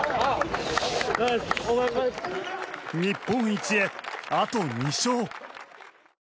日本一へ、あと２勝！